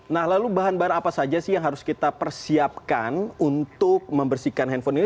nah lalu bahan bahan apa saja sih yang harus kita persiapkan untuk membersihkan handphone ini